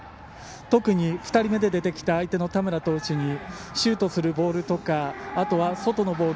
特に、２人目で出てきた相手の田村投手にシュートするボールとかあとは外のボール